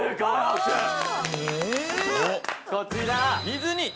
こちら！え！